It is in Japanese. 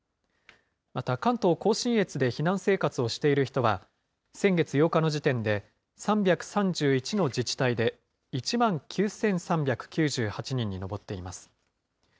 また関東甲信越で避難生活をしている人は、先月８日の時点で、３３１の自治体で１万９３９８人に上っています。